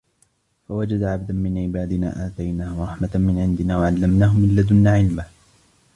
فَوَجَدَا عَبْدًا مِنْ عِبَادِنَا آتَيْنَاهُ رَحْمَةً مِنْ عِنْدِنَا وَعَلَّمْنَاهُ مِنْ لَدُنَّا عِلْمًا